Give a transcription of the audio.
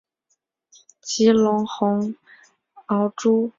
吉隆红螯蛛为管巢蛛科红螯蛛属的动物。